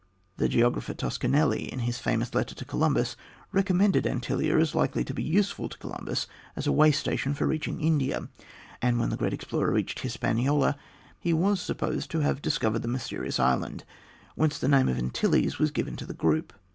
The geographer Toscanelli, in his famous letter to Columbus, recommended Antillia as likely to be useful to Columbus as a way station for reaching India, and when the great explorer reached Hispaniola, he was supposed to have discovered the mysterious island, whence the name of Antilles was given to the group.